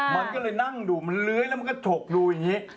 มันก็เลยนั่งดูมันเลื้อยแล้วมันก็ฉกดูอย่างนี้